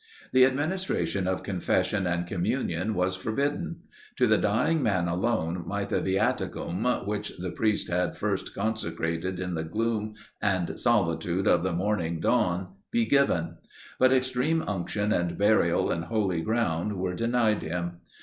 The administration of confession and communion was forbidden. To the dying man alone might the viaticum, which the priest had first consecrated in the gloom and solitude of the morning dawn, be given; but extreme unction and burial in holy ground were denied him.